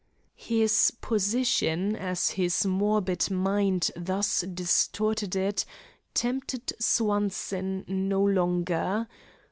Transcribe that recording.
His position, as his morbid mind thus distorted it, tempted Swanson no longer.